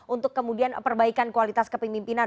untuk kemudian perbaikan kualitas kepemimpinan